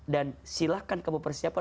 dan silahkan kamu persiapan